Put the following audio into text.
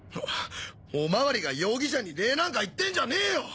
おおまわりが容疑者に礼なんか言ってんじゃねぇよ！